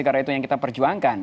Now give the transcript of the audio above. karena itu yang kita perjuangkan